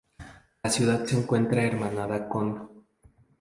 La ciudad se encuentra hermanada con